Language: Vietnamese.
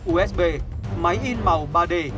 usb máy in màu ba d